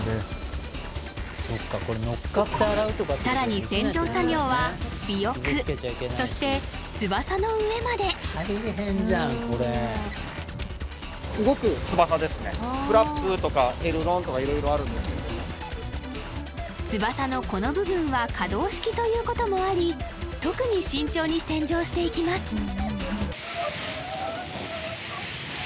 さらに洗浄作業は尾翼そして翼の上まで翼のこの部分は可動式ということもあり特に慎重に洗浄していきます